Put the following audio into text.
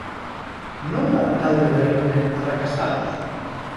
Non da talde berri honen arrakasta?